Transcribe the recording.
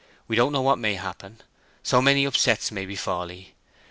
"We don't know what may happen. So many upsets may befall 'ee.